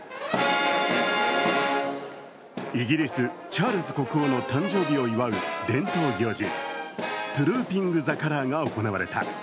イギリス・チャールズ国王の誕生日を祝う伝統行事、トゥルーピング・ザ・カラーが行われた。